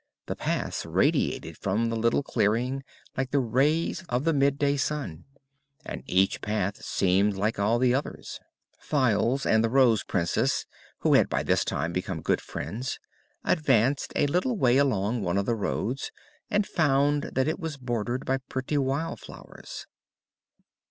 The paths radiated from the little clearing like the rays of the midday sun, and each path seemed like all the others. Files and the Rose Princess, who had by this time become good friends, advanced a little way along one of the roads and found that it was bordered by pretty wild flowers.